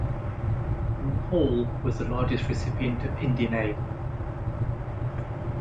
Nepal was the largest recipient of Indian aid.